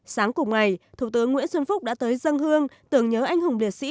sáng cùng ngày thủ tướng nguyễn xuân phúc đã tới dân hương tưởng nhớ anh hùng liệt sĩ